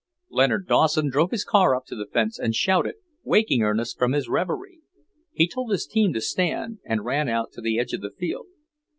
Leonard Dawson drove his car up to the fence and shouted, waking Ernest from his revery. He told his team to stand, and ran out to the edge of the field.